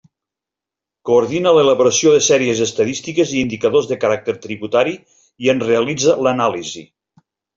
Coordina l'elaboració de sèries estadístiques i indicadors de caràcter tributari, i en realitza l'anàlisi.